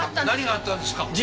何があったんですか？